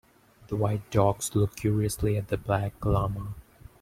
The white dogs look curiously at the black llama.